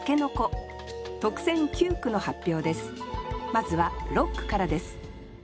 まずは六句からです